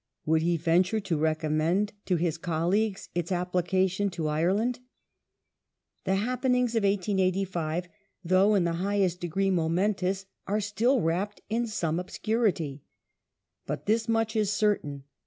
Would he venture to recommend to his colleagues its application to Ireland ? The happenings of 1885, though in the highest degree momentous, are still wrapped in some obscurity. But this much is certain.